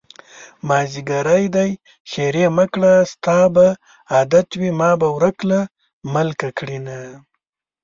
مازديګری دی ښېرې مکړه ستا به عادت وي ما به ورک له ملکه کړينه